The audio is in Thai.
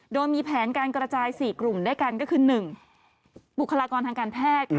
โดยมีแผนการกระจาย๔กลุ่มด้วยกันก็คือ๑บุคลากรทางการแพทย์ค่ะ